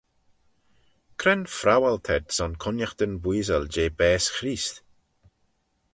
Cre'n phrowal t'ayd son cooinaghtyn booisal jeh baase Chreest?